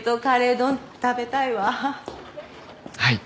はい。